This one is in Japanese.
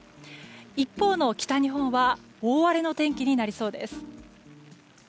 一方の北日本は大荒れの天気になりそうです。